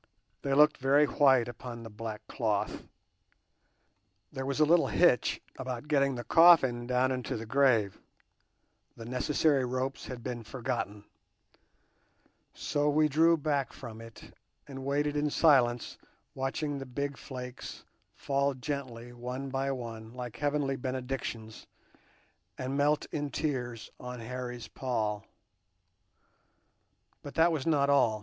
They looked very white upon the black cloth! There was a little hitch about getting the coffin down into the grave—the necessary ropes had been forgotten: so we drew back from it, and waited in silence watching the big flakes fall gently one by one like heavenly benedictions, and melt in tears on Harry's pall. But that was not all.